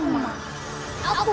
satu hal yang akan kau ingat